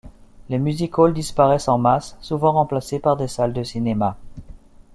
Les music-halls disparaissent en masse, souvent remplacés par des salles de cinémas.